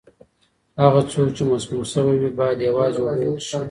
هغه څوک چې مسموم شوی وي، باید یوازې اوبه وڅښي.